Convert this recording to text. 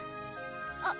あっ。